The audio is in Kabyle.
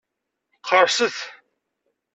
Qerrset!